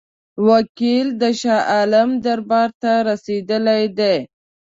وکیل د شاه عالم دربار ته رسېدلی دی.